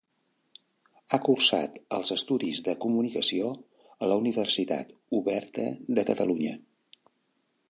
Ha cursat els estudis de Comunicació a la Universitat Oberta de Catalunya.